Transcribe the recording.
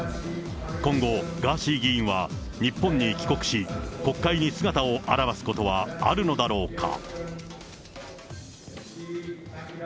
今後、ガーシー議員は日本に帰国し、国会に姿を現すことはあるのだろうか。